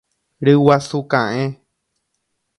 Ryguasu ka'ẽ.